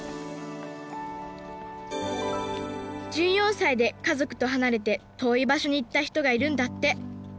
１４歳で家族と離れて遠い場所に行った人がいるんだって。